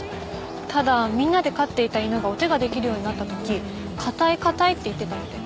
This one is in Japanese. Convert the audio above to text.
ただみんなで飼っていた犬がお手ができるようになったとき「かたいかたい」って言ってたって。